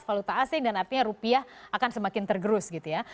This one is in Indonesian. valuta asing dan artinya rupiah akan semakin tergerus gitu ya